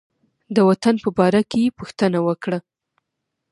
د وطن په باره کې یې پوښتنه وکړه.